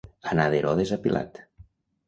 Anar d'Herodes a Pilat.